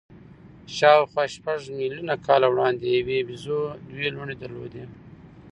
شاوخوا شپږ میلیونه کاله وړاندې یوې بیزو دوې لوڼې درلودې.